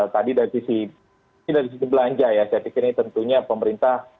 tadi dari sisi belanja ya saya pikir ini tentunya pemerintah